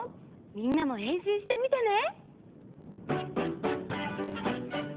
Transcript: みんなもへんしんしてみてね！